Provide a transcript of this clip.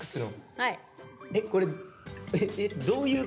はい。